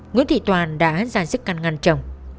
nguyễn thị toàn đã dàn sức căn ngăn chồng